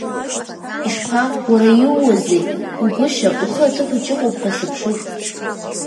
Ишԥа, уара, иууазеи, Гәыгәышьа, ухы аҭыԥаҿ иҟоуп ҳәа сыԥшуп.